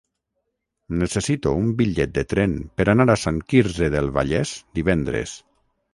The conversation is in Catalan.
Necessito un bitllet de tren per anar a Sant Quirze del Vallès divendres.